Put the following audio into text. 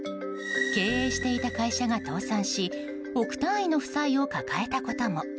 経営していた会社が倒産し億単位の負債を抱えたことも。